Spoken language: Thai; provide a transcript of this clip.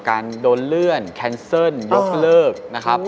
การโดนเลื่อนแคนเซิลยกเลิกนะครับ